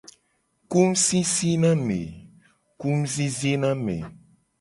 Ku ngusisi na ame.